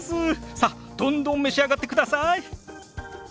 さっどんどん召し上がってください！